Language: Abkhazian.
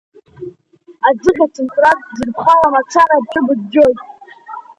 Аӡыхь ацынхәрас ӡырԥхала мацара бҿы быӡәӡәоит.